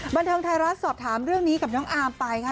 บันเทิงไทยรัฐสอบถามเรื่องนี้กับน้องอาร์มไปค่ะ